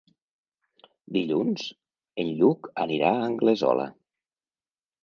Dilluns en Lluc anirà a Anglesola.